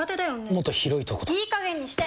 もっと広いところとかいい加減にして！